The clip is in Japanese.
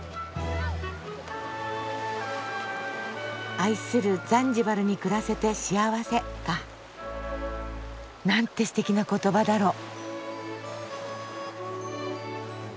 「愛するザンジバルに暮らせて幸せ」か。なんてすてきな言葉だろう。